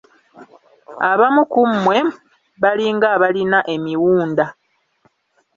Abamu ku mmwe balinga abalina emiwunda.